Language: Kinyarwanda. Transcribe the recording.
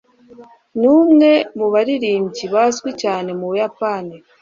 ni umwe mu baririmbyi bazwi cyane mu buyapani